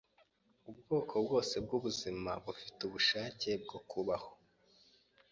Ubwoko bwose bwubuzima bufite ubushake bwo kubaho.